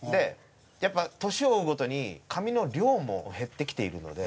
やっぱ年を追うごとに髪の量も減ってきているので。